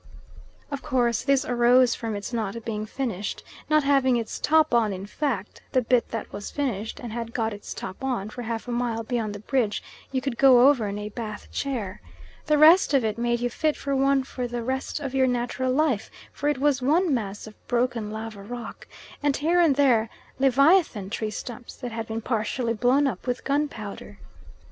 Of course this arose from its not being finished, not having its top on in fact: the bit that was finished, and had got its top on, for half a mile beyond the bridge, you could go over in a Bath chair. The rest of it made you fit for one for the rest of your natural life, for it was one mass of broken lava rock, and here and there leviathan tree stumps that had been partially blown up with gunpowder.